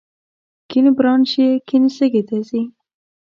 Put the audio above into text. کیڼ برانش یې کیڼ سږي ته ځي.